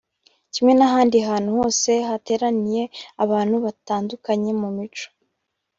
Kimwe n’ahandi hantu hose hateraniye abantu batandukanye mu mico